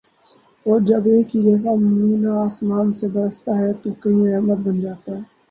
اور جب ایک ہی جیسا مینہ آسماں سے برستا ہے تو کہیں رحمت بن جاتا ہے